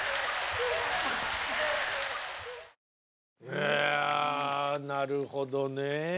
いやなるほどね。